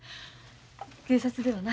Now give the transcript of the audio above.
警察ではな